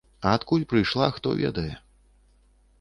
А адкуль прыйшла, хто ведае.